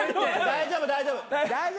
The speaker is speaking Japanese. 大丈夫大丈夫。